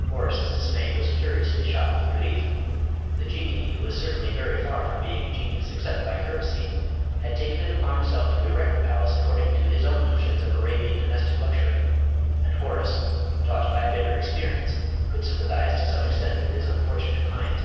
Horace's dismay was curiously shot with relief. The Jinnee, who was certainly very far from being a genius except by courtesy, had taken it upon himself to erect the palace according to his own notions of Arabian domestic luxury and Horace, taught by bitter experience, could sympathise to some extent with his unfortunate client.